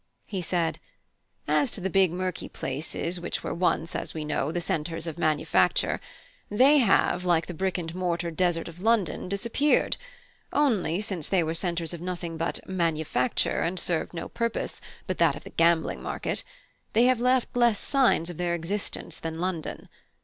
He said: "As to the big murky places which were once, as we know, the centres of manufacture, they have, like the brick and mortar desert of London, disappeared; only, since they were centres of nothing but 'manufacture,' and served no purpose but that of the gambling market, they have left less signs of their existence than London.